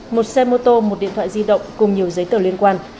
một xe mô tô một điện thoại di động cùng nhiều giấy tờ liên quan